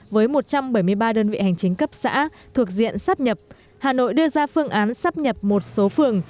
với một trăm bảy mươi ba đơn vị hành chính cấp xã thuộc diện sắp nhập hà nội đưa ra phương án sắp nhập một số phường